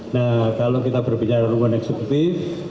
nah kalau kita berbicara hubungan eksekutif